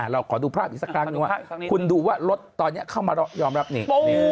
เราขอดูภาพอีกสักครั้งนึงว่าคุณดูว่ารถตอนนี้เข้ามายอมรับนี่